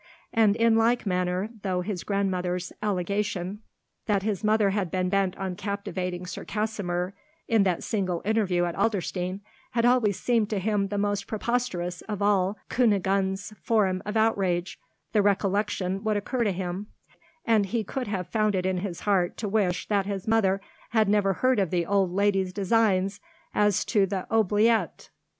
And in like manner, though his grandmother's allegation that his mother had been bent on captivating Sir Kasimir in that single interview at Adlerstein, had always seemed to him the most preposterous of all Kunigunde's forms of outrage, the recollection would recur to him; and he could have found it in his heart to wish that his mother had never heard of the old lady's designs as to the oubliette.